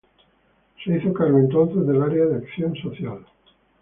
Se hizo cargo entonces del área de Acción Social.